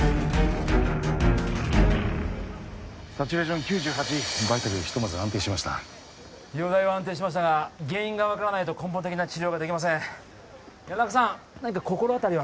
サチュレーション９８バイタルはひとまず安定しました容体は安定しましたが原因が分からないと根本的な治療ができません谷中さん何か心当たりは？